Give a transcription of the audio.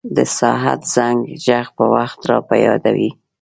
د ساعت زنګ ږغ وخت را په یادوي.